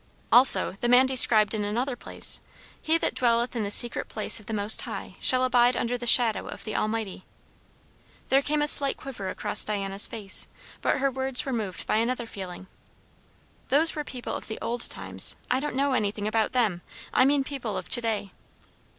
Also the man described in another place 'He that dwelleth in the secret place of the Most High shall abide under the shadow of the Almighty.'" There came a slight quiver across Diana's face, but her words were moved by another feeling. "Those were people of the old times; I don't know anything about them. I mean people of to day."